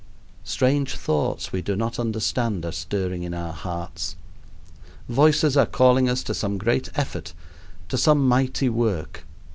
Strange thoughts we do not understand are stirring in our hearts. Voices are calling us to some great effort, to some mighty work.